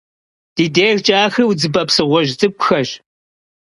Ди дежкӏэ ахэр удзыпэ псыгъуэжь цӏыкӏухэщ.